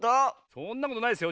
そんなことないですよ。